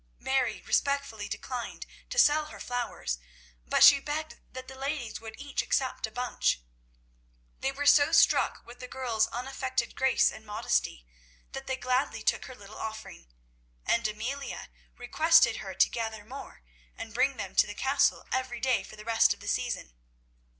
Mary respectfully declined to sell her flowers, but she begged that the ladies would each accept a bunch. They were so struck with the girl's unaffected grace and modesty, that they gladly took her little offering, and Amelia requested her to gather more and bring them to the Castle every day for the rest of the season.